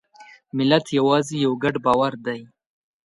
ملت یوازې یو ګډ باور دی.